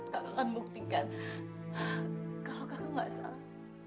kaka akan buktikan kalau kaka gak salah